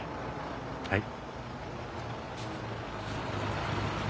はい。